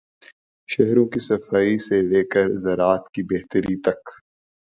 شہروں کی صفائی سے لے کر زراعت کی بہتری تک۔